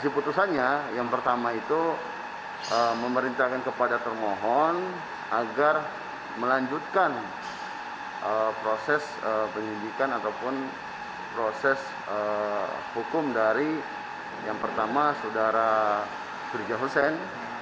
putusannya yang pertama itu memerintahkan kepada termohon agar melanjutkan proses penyidikan ataupun proses hukum dari yang pertama saudara firja hussein